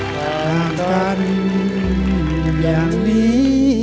ห่างกันอย่างดี